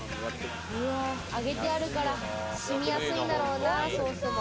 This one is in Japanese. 揚げてあるから、しみやすいんだろうな、ソースが。